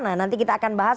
nah nanti kita akan bahas